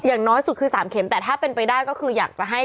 อย่างน้อยสุดคือ๓เข็มแต่ถ้าเป็นไปได้ก็คืออยากจะให้